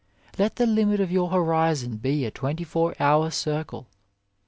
Let the limit of your horizon be a twenty four hour circle.